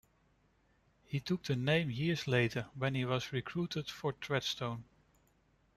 He took the name years later when he was recruited for Treadstone.